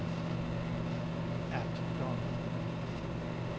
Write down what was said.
AT DAWN.